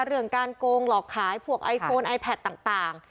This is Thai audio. เรื่องการโกงหลอกขายพวกไอโฟนไอแพทต่าง